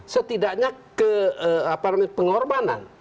setidaknya ke pengorbanan